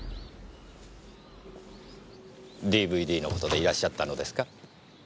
ＤＶＤの事でいらっしゃったのですか？